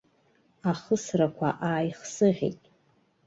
Ахысрақәа ааихсыӷьит.